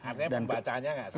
artinya pembacaannya nggak salah